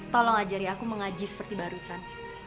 tolong ajari aku mengaji seperti barusan